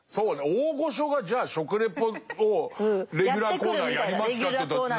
大御所がじゃあ食レポをレギュラーコーナーやりますかというとなかなか。